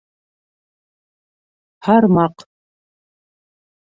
Һармаҡ!